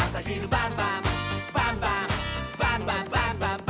「バンバンバンバンバンバン！」